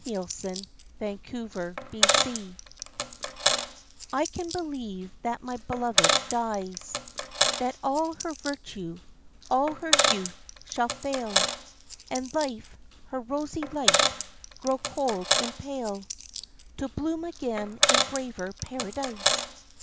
XV Love and Death I can believe that my Beloved dies, That all her virtue, all her youth shall fail, And life, her rosy life, grow cold and pale, To bloom again in braver Paradise.